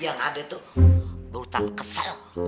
yang ada tuh bertanggung kesel